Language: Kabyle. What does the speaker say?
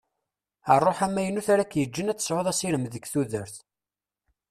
Rruḥ amaynut ara k-yeǧǧen ad tesɛuḍ asirem deg tudert.